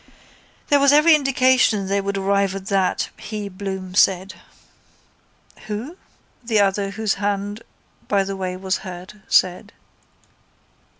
—There was every indication they would arrive at that, he, Bloom, said. —Who? the other, whose hand by the way was hurt, said.